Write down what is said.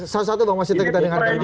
salah satu bang mas hinton kita dengarkan